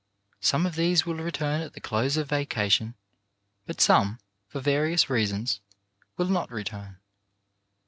Some of these will return at the close of vacation, but some, for various reasons, will not return.